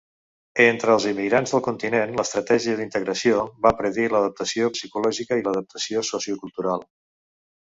Entre els immigrants del continent, l’estratègia d’integració va predir l’adaptació psicològica i l’adaptació sociocultural.